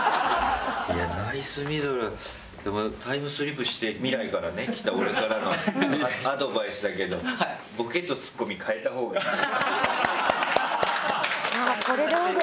ナイスミドルタイムスリップして未来から来た俺からのアドバイスだけどボケとツッコミ変えたほうがいいよ。